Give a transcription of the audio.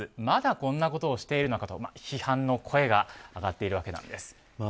まだこんなことをしているのかと批判の声が上がっているわけなんです。